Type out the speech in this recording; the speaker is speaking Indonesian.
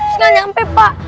terus nggak nyampe pak